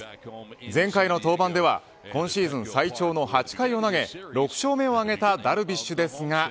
前回の登板では今シーズン最長の８回を投げ、６勝目を挙げたダルビッシュですが。